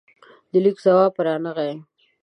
د لیک ځواب رانغلې